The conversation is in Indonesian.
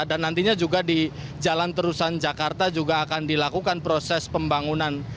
dan nantinya juga di jalan terusan jakarta juga akan dilakukan proses pembangunan